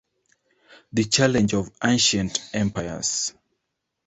The Challenge of Ancient Empires!